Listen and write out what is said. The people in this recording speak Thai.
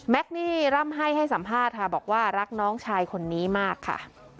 นี่ร่ำให้ให้สัมภาษณ์ค่ะบอกว่ารักน้องชายคนนี้มากค่ะ